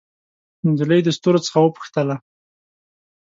نجلۍ د ستورو څخه وپوښتله